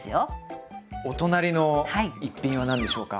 お隣の一品は何でしょうか？